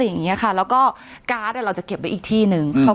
อย่างนี้ค่ะแล้วก็การ์ดเราจะเก็บไว้อีกที่หนึ่ง